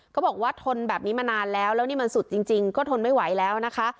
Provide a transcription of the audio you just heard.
เขาบอกว่าทนแบบนี้มานานแล้วแล้วนี่มันสุดจริงก็ทนไม่ไหวแล้วนะคะ